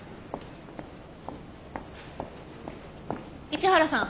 市原さん。